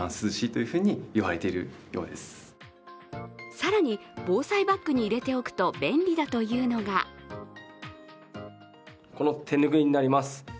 更に防災バッグに入れておくと便利だというのがこの手ぬぐいになります。